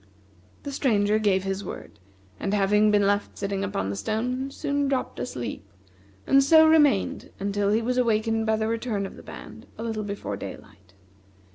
The Stranger gave his word, and having been left sitting upon the stone, soon dropped asleep, and so remained until he was awakened by the return of the band, a little before daylight.